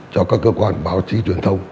cho các cơ quan báo chí truyền thông